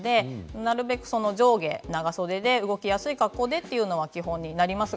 なるべく上下長袖で動きやすい格好でというのが基本になります。